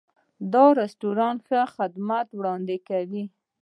دا رستورانت ښه خدمات وړاندې کوي.